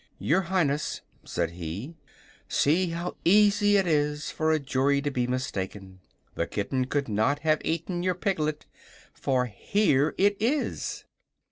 "Your Highness," said he, "see how easy it is for a jury to be mistaken. The kitten could not have eaten your piglet for here it is!"